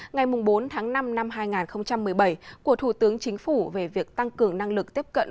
ngày bốn tháng năm năm hai nghìn một mươi bảy của thủ tướng chính phủ về việc tăng cường năng lực tiếp cận